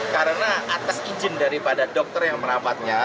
karena atas izin daripada dokter yang merawatnya